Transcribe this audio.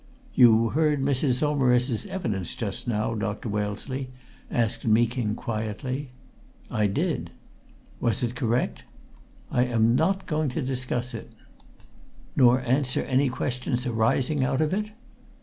"You heard Mrs. Saumarez's evidence just now, Dr. Wellesley?" asked Meeking quietly. "I did!" "Was it correct?" "I am not going to discuss it!" "Nor answer any questions arising out of it?"